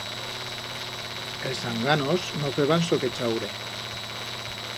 Els zanganos no feban soque chaure.